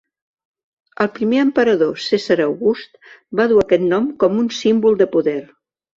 El primer emperador, Cèsar August, va dur aquest nom com un símbol de poder.